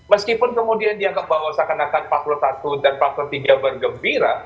meskipun kemudian dianggap bahwa seakan akan fakult satu dan fakult tiga bergembira